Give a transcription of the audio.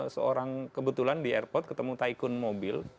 seorang kebetulan di airport ketemu tikun mobil